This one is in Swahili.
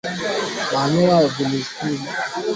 Bana vuna minji ya mingi sana mu pori